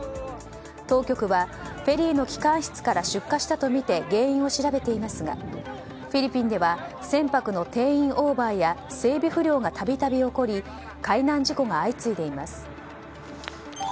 当局はフェリーの機関室から出火したとみて原因を調べていますがフィリピンでは船舶の定員オーバーや整備不良が度々起こり海難事故が相次いでいます。